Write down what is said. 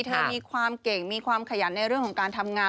เธอมีความเก่งมีความขยันในเรื่องของการทำงาน